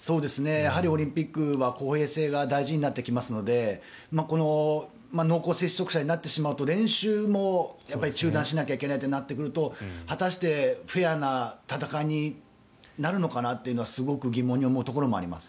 やはりオリンピックは公平性が大事になってきますのでこの濃厚接触者になってしまうと練習も中断しなければいけないとなってくると果たして、フェアな戦いになるのかなというのはすごく疑問に思うところもあります。